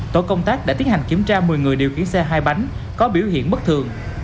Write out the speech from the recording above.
tổ công tác đã tiến hành kiểm tra một mươi người điều khiển xe hai bánh có biểu hiện bất thường